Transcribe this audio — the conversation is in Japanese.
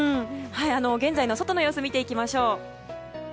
現在の外の様子を見てみましょう。